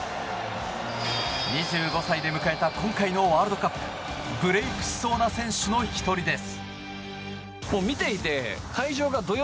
２５歳で迎えた今回のワールドカップブレークしそうな選手の１人です。